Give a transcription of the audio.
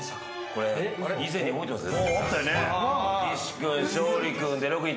これ以前に覚えてます？